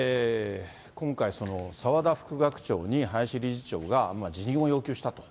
今回、その澤田副学長に林理事長が辞任を要求したと。